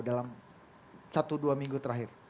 dalam satu dua minggu terakhir